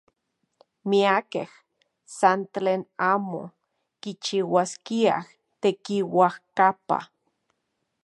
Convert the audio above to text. Miakej san tlen amo kichiuaskiaj tekiuajkapa.